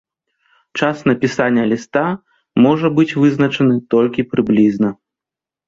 Час напісання ліста можа быць вызначаны толькі прыблізна.